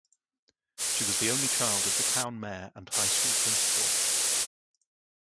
She was the only child of the town mayor and high school principal.